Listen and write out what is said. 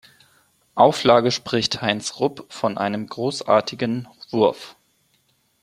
Auflage spricht Heinz Rupp von einem „großartigen Wurf“.